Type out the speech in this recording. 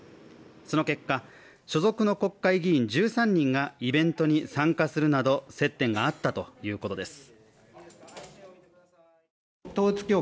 その結果、所属の国会議員１３人がイベントに参加するなど接点があったということです。